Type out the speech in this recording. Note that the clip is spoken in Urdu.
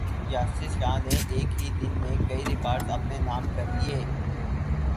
یاسر شاہ نے ایک ہی دن میں کئی ریکارڈز اپنے نام کر لیے